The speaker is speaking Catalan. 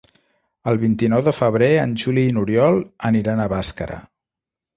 El vint-i-nou de febrer en Juli i n'Oriol aniran a Bàscara.